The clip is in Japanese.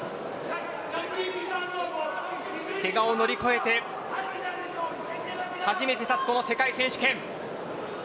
けがを乗り越えて初めて立つこの世界選手権。